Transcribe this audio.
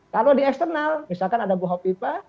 kalau di eksternal misalkan ada bu hopipa